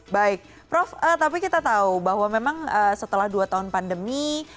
baik prof tapi kita tahu bahwa memang setelah dua tahun pandemi